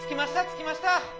着きました。